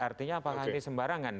artinya apakah ini sembarangan